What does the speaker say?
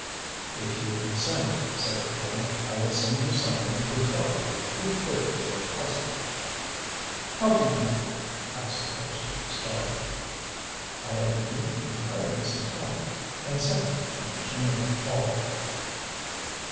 "If you consent," said Akira, "I will send you someone who can tell you who killed your housekeeper." "How do you know?" asked Colpster, startled. "I have been making inquiries in town. Consent, and you shall know all."